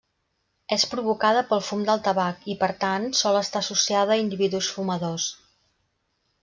És provocada pel fum del tabac i per tant sol estar associada a individus fumadors.